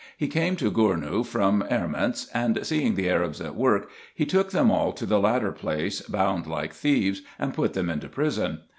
He came to Gournou from Erments ; and, seeing the Arabs at work, he took them all to the latter place, bound like thieves, and put them into prison.